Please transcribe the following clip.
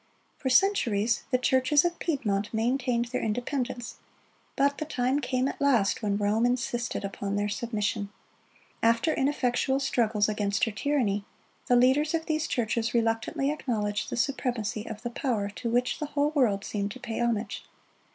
For centuries the churches of Piedmont maintained their independence; but the time came at last when Rome insisted upon their submission. After ineffectual struggles against her tyranny, the leaders of these churches reluctantly acknowledged the supremacy of the power to which the whole world seemed to pay homage.